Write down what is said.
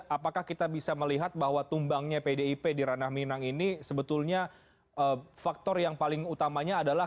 apakah kita bisa melihat bahwa tumbangnya pdip di ranah minang ini sebetulnya faktor yang paling utamanya adalah